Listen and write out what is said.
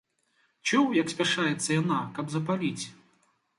Чуў, як спяшаецца яна, каб запаліць.